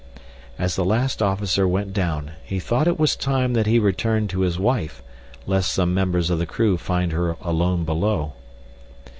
As the last officer went down he thought it was time that he returned to his wife lest some members of the crew find her alone below.